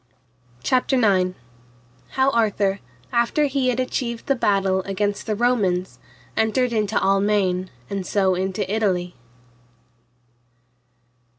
CHAPTER IX. How Arthur, after he had achieved the battle against the Romans, entered into Almaine, and so into Italy.